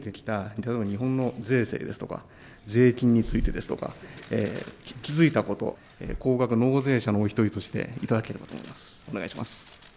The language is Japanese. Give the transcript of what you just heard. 例えば日本の税制ですとか、税金についてですとか、気付いたこと、高額納税者のお一人として頂ければと思います。